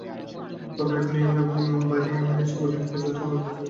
তবে এখন ইয়েমেনের বাইরে ইয়েমেনি সাংবাদিকদের পরিচালিত অনেক টিভি চ্যানেল গড়ে উঠেছে।